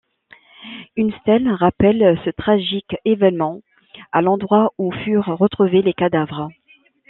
Une stèle rappelle ce tragique événement à l'endroit où furent retrouvés les cadavres.